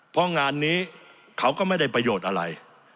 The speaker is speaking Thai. เพราะงานนี้เขาก็ไม่ได้ประโยชน์อะไร